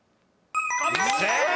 正解！